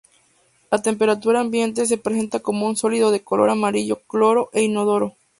A temperatura ambiente se presenta como un sólido de color amarillo claro e inodoro.